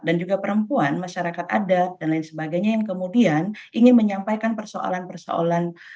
dan juga perempuan masyarakat adat dan lain sebagainya yang kemudian ingin menyampaikan persoalan persoalan